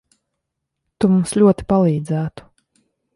Tu mums ļoti palīdzētu.